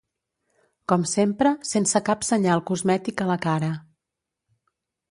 Com sempre, sense cap senyal cosmètic a la cara.